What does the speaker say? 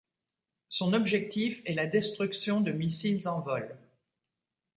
Son objectif est la destruction de missiles en vol.